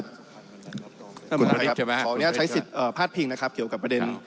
ขอตัวเนี่ยใช้สิทธิ์พลาดพิงค์นะครับเกี่ยวกับประเด็น